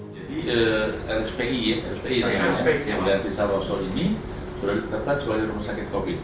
jadi rspi ya rspi ya yang diatis saroso ini sudah diterbat sebagai rumah sakit covid